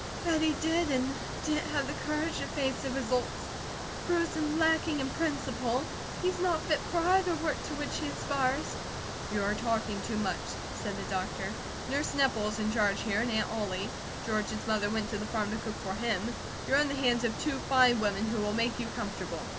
"That he did, and didn't have the courage to face the results, proves him lacking in principle. He's not fit for either work to which he aspires." "You are talking too much," said the doctor. "Nurse Nepple is in charge here, and Aunt Ollie. George's mother went to the farm to cook for him. You're in the hands of two fine women, who will make you comfortable.